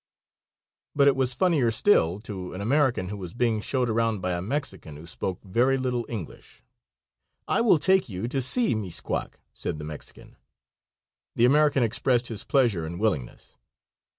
But it was funnier still to an American who was being showed around by a Mexican who spoke very little English. "I will take you to see Mis quack," said the Mexican. The American expressed his pleasure and willingness.